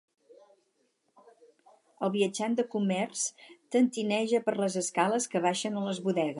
El viatjant de comerç tentineja per les escales que baixen a les bodegues.